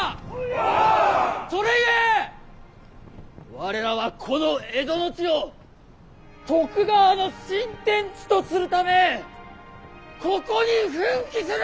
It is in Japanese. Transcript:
それゆえ我らはこの蝦夷の地を徳川の新天地とするためここに奮起する！